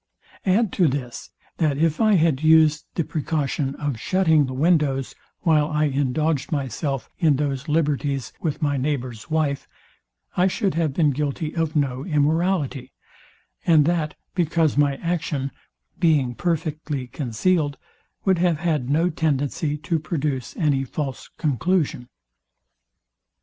Add to this, that if I had used the precaution of shutting the windows, while I indulged myself in those liberties with my neighbour's wife, I should have been guilty of no immorality; and that because my action, being perfectly concealed, would have had no tendency to produce any false conclusion.